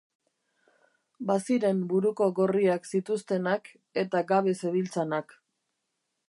Baziren buruko gorriak zituztenak eta gabe zebiltzanak.